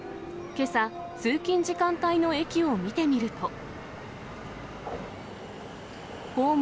けさ、通勤時間帯の駅を見てみると。